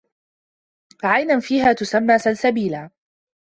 عَينًا فيها تُسَمّى سَلسَبيلًا